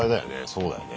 そうだよね。